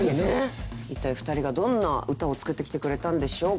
一体２人がどんな歌を作ってきてくれたんでしょうか。